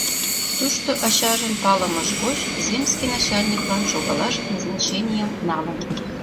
Тушто ачажын палымыж гоч земский начальниклан шогалаш назначенийым налын.